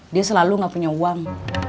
dia selalu nggak punya uang